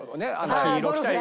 黄色着たり。